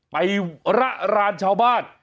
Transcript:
ไประรานชาวบ้าน